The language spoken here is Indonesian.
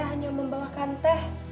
ini saya hanya membawakan teh